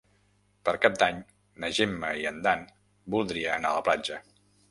Per Cap d'Any na Gemma i en Dan voldria anar a la platja.